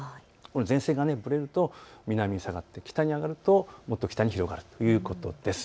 前線がぶれると南へ下がって北に上がるともっと北に広がるということです。